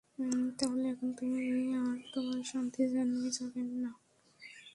তাহলে এখন তুমি আর তোমার শান্তি জাহান্নামে যাবেন না।